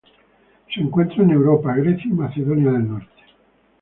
Se encuentra en Europa: Grecia y Macedonia del Norte.